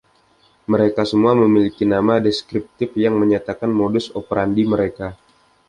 Mereka semua memiliki nama deskriptif yang menyatakan modus operandi mereka.